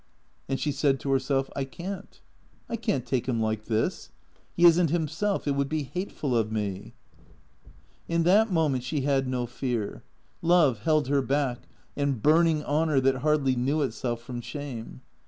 And she said to herself, " I can't. I can't take him like this. He is n't himself. It would be hateful of me." In that moment she had no fear. Love held her back and burning honour that hardly knew itself from shame.